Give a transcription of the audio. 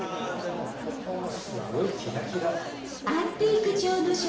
ここもすごいキラキラ。